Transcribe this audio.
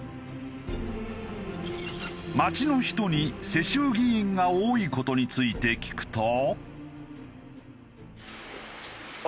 街の人に世襲議員が多い事について聞くと。